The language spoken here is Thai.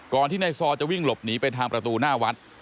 ก่อนที่นายซอร์จะวิ่งหลบหนีไปทางประตูหน้าวัด